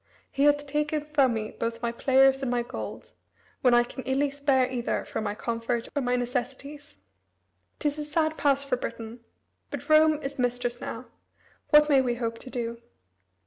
He hath taken from me both my players and my gold, when I can illy spare either from my comfort or my necessities. 'T is a sad pass for Britain. But Rome is mistress now. What may we hope to do?"